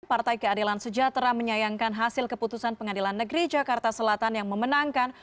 partai keadilan sejahtera menyayangkan hasil keputusan pengadilan negeri jakarta selatan yang memenangkan